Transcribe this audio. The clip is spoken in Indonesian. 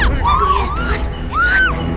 aduh ya tuan